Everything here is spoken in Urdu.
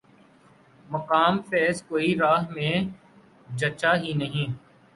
مقام فیضؔ کوئی راہ میں جچا ہی نہیں